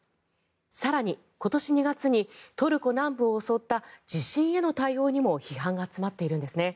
更に、今年２月にトルコ南部を襲った地震への対応にも批判が集まっているんです。